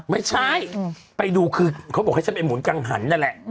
ไม่ใช่ไปดูคือเขาบอกให้ฉันไปหมุนกังหันนั่นแหละ